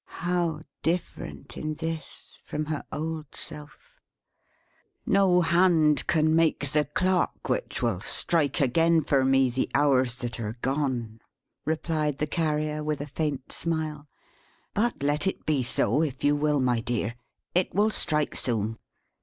How different in this, from her old self! "No hand can make the clock which will strike again for me the hours that are gone," replied the Carrier, with a faint smile. "But let it be so, if you will, my dear. It will strike soon.